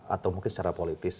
atau mungkin secara politis